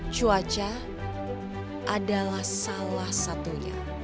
cuaca adalah salah satunya